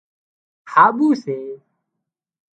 هاٻو سي